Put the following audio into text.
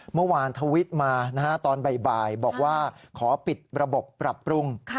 เมื่อวานทวิตมาตอนบ่ายบอกว่าขอปิดระบบปรับปรุง